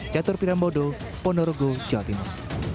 jatuh tirambodo pondorogo jawa timur